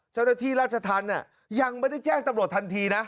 เจ้าหน้าที่ราชธรรมยังไม่ได้แจ้งตำรวจทันทีนะ